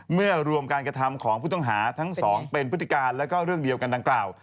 เมื่อรวมการกระทำของผู้ต้องหาทั้งสองเป็นพฤติการแล้วก็เรื่องเดียวกันดังกล่าว